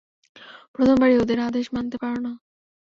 প্রথমবারেই ওদের আদেশ মানতে পারো না।